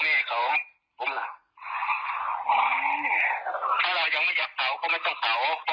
ถ้าเรายังไม่อยากเผาก็ไม่ต้องเผา